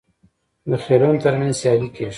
د خیلونو ترمنځ سیالي کیږي.